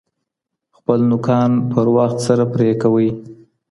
خپل نوکان په وخت سره پرې کوئ.